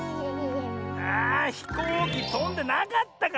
あひこうきとんでなかったか！